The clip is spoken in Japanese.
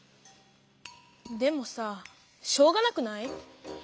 でもさしょうがなくない？